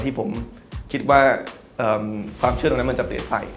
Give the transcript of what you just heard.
ที่ผมคิดว่าความเชื่อตรงนั้นมันจะเปลี่ยนไป